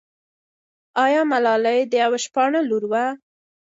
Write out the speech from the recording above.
آیا ملالۍ د یوه شپانه لور وه؟